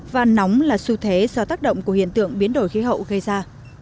và nóng là xu thế do tác động của hiện tượng biến đổi khí hậu gây ra